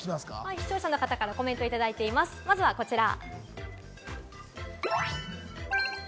視聴者の方からコメントをいただいています、まずはこちら。